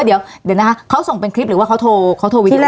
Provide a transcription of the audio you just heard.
เดี๋ยวนะคะเขาส่งเป็นคลิปหรือว่าเขาโทรเขาโทรไปที่ไหน